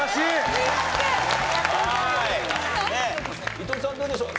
伊藤さんどうでしょう？